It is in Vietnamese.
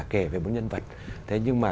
kể về một nhân vật thế nhưng mà